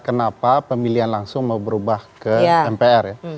kenapa pemilihan langsung mau berubah ke mpr ya